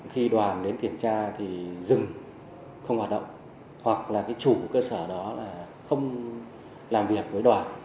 khi đoàn đến kiểm tra thì dừng không hoạt động hoặc là chủ cơ sở đó là không làm việc với đoàn